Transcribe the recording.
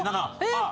あっ！